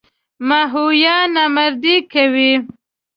ماهویه نامردي کوي.